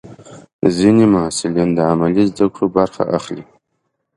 ځینې محصلین د عملي زده کړو برخه اخلي.